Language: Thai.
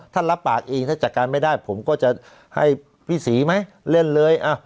รับปากเองถ้าจัดการไม่ได้ผมก็จะให้พี่ศรีไหมเล่นเลย